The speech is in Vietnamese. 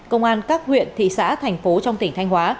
công an các huyện thị xã thành phố trong tỉnh thanh hóa